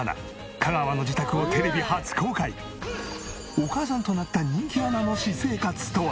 お母さんとなった人気アナの私生活とは？